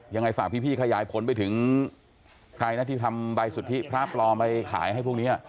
ยังไงฝากพี่ขยายผลไปถึงใครนะที่ทำใบสุทธิพระปลอมไปขายให้พวกนี้